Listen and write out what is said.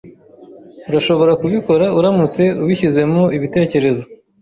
Urashobora kubikora uramutse ubishyizemo ibitekerezo.